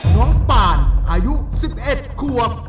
น้องปานอายุ๑๑ขวบ